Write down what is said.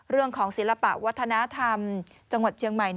ศิลปะวัฒนธรรมจังหวัดเชียงใหม่